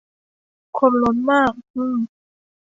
คนล้นมาก ฮือ